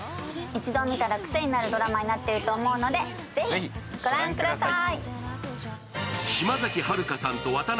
一度見たらくせになっているドラマになっていると思うのでぜひご覧ください！